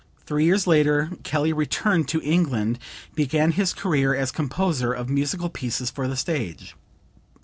Three years later Kelly returned to England, began his career as composer of musical pieces for the stage.